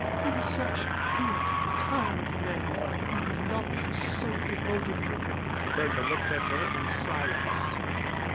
He was such a good, kind man, and he loved you so devotedly." Bertha looked at her in silence.